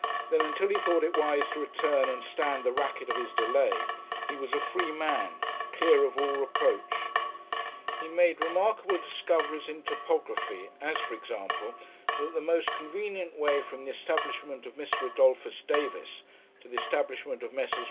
Then, until he thought it wise to return and stand the racket of his delay, he was a free man, clear of all reproach. He made remarkable discoveries in topography, as for example that the most convenient way from the establishment of Mr. Adolphus Davis to the establishment of Messrs.